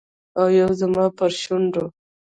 او یو زما پر شونډو